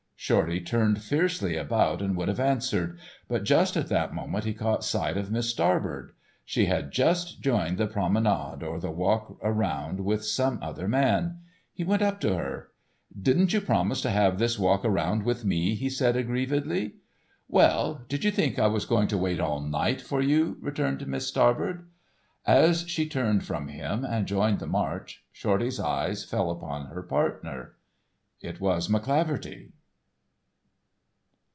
Shorty turned fiercely about and would have answered, but just at that moment he caught sight of Miss Starbird. She had just joined the promenade or the walk around with some other man. He went up to her: "Didn't you promise to have this walk around with me?" he said aggrievedly. "Well, did you think I was going to wait all night for you?" returned Miss Starbird. As she turned from him and joined the march Shorty's eye fell upon her partner. It was McCleaverty.